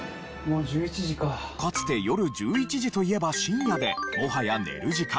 かつて夜１１時といえば深夜でもはや寝る時間。